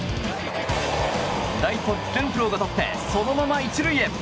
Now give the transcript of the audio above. ライト、レンフローがとってそのまま１塁へ。